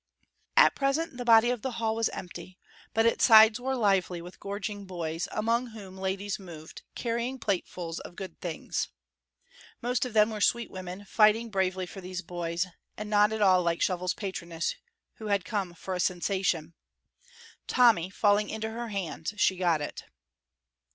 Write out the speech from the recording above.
At present the body of the hall was empty, but its sides were lively with gorging boys, among whom ladies moved, carrying platefuls of good things. Most of them were sweet women, fighting bravely for these boys, and not at all like Shovel's patroness, who had come for a sensation. Tommy falling into her hands, she got it.